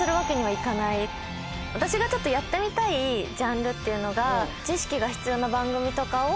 私がやってみたいジャンルっていうのが。